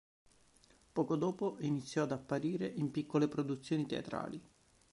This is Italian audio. Poco dopo iniziò ad apparire in piccole produzioni teatrali.